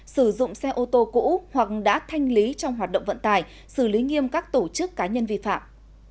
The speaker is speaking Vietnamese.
sử dụng xe ô tô cũ hoặc đã thanh lý trong hoạt động vận tải xử lý nghiêm các tổ chức cá nhân vi phạm